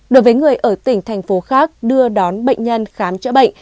đối với người ở tỉnh thành phố khác đưa đón bệnh nhân khám chữa bệnh